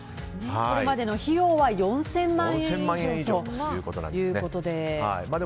これまでの費用は４０００万円以上ということで。